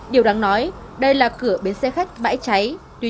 điều đáng nói đây là cửa bến xe khách bãi cháy